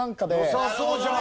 よさそうじゃん！